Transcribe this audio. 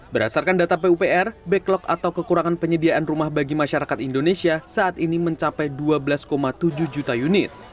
berdasarkan data pupr backlog atau kekurangan penyediaan rumah bagi masyarakat indonesia saat ini mencapai dua belas tujuh juta unit